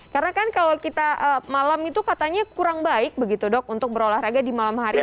karena kan kalau kita malam itu katanya kurang baik begitu dok untuk berolahraga di malam hari